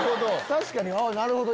確かになるほど！